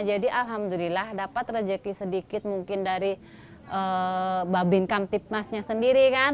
jadi alhamdulillah dapat rezeki sedikit mungkin dari mbak binkam tipmasnya sendiri kan